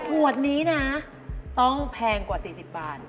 งวดนี้นะต้องแพงกว่า๔๐บาท